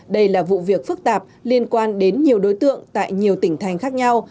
đây là vụ việc phức tạp liên quan đến nhiều đối tượng tại nhiều tỉnh thành khác nhau